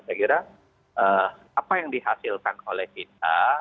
saya kira apa yang dihasilkan oleh kita